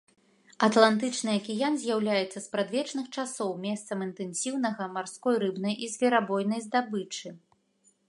Атлантычны акіян з'яўляецца з спрадвечных часоў месцам інтэнсіўнага марской рыбнай і зверабойнай здабычы.